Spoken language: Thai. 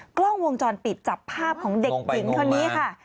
กล้องวงจรปิดจับภาพของเด็กหญิงคนนี้ค่ะ